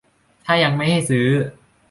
ถ้ายังไม่ให้ซื้อ